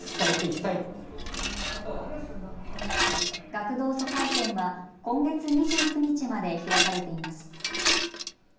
学童疎開展は今月２９日まで開かれています。